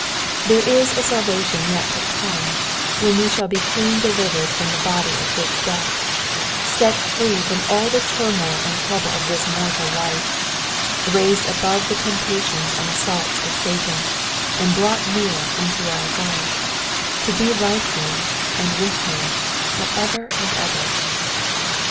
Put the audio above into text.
There is a salvation yet to come, when we shall be clean delivered from the body of this death, set free from all the turmoil and trouble of this mortal life, raised above the temptations and assaults of Satan, and brought near unto our God, to be like him and with him for ever and ever.